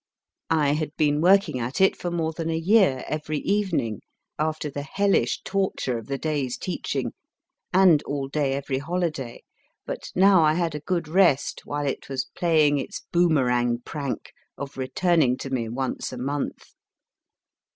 I had been working at it for more than a year every evening after the hellish torture of the day s teaching, and all da} every holiday, but now I had a good rest while it was playing its ZANGWILL boomerang prank of returning to me once a month.